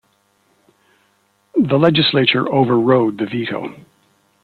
The legislature overrode the veto.